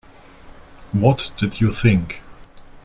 What did you think?